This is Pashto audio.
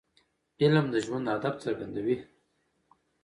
علم د ژوند هدف څرګندوي.